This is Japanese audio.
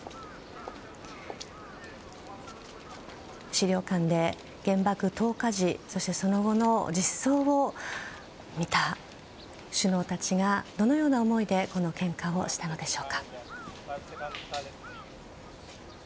資料館で原爆投下時そしてその後の実相を見た首脳たちがどのような思いで献花をしたのでしょうか。